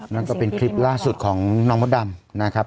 นั่นก็เป็นคลิปล่าสุดของน้องมดดำนะครับ